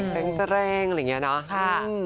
เพลงแสรงอะไรอย่างนี้นะ